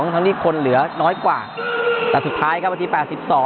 ทั้งที่คนเหลือน้อยกว่าแต่สุดท้ายครับนาที๘๒